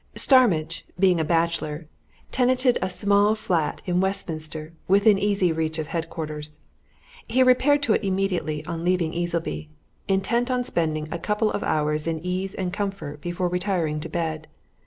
Starmidge, being a bachelor, tenanted a small flat in Westminster, within easy reach of headquarters. He repaired to it immediately on leaving Easleby, intent on spending a couple of hours in ease and comfort before retiring to bed.